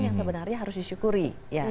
yang sebenarnya harus disyukuri